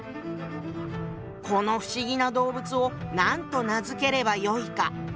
「この不思議な動物を何と名付ければよいか」。